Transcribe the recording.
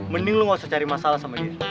mending lu gak usah cari masalah sama dia